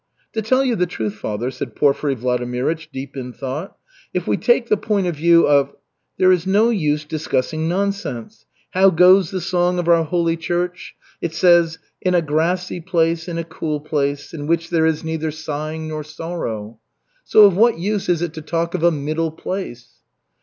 "To tell you the truth, Father," said Porfiry Vladimirych, deep in thought, "if we take the point of view of " "There is no use discussing nonsense. How goes the song of our Holy Church? It says, 'In a grassy place, in a cool place, in which there is neither sighing nor sorrow.' So of what use is it to talk of a 'middle' place?"